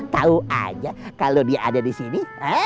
tahu aja kalau dia ada di sini